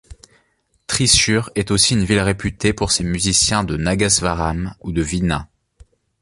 Thrissur est aussi une ville réputée pour ses musiciens de nâgasvaram ou de vînâ.